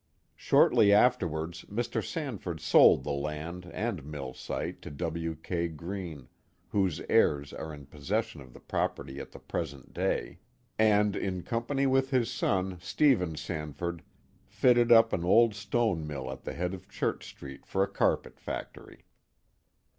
Shortly afterwards Mr. Sanford sold the land and mill site to W. K. Greene (whose heirs are in possession of the property at the present day), and, in company with his son, Stephen Sanford, fitted up an old stone mill at the head of Church Street for a carpet factory.